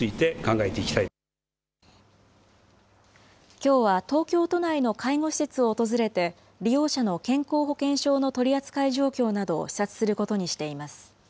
きょうは東京都内の介護施設を訪れて、利用者の健康保険証の取り扱い状況などを視察することにしています。